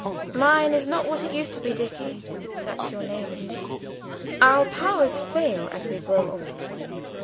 Mine is not what it used to be, Dicky (that's your name, isn't it?). Our powers fail as we grow old."